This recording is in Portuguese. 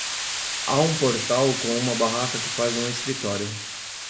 Há um portal com uma barraca que faz um escritório.